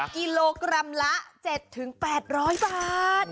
กิโลกรัมละ๗๘๐๐บาท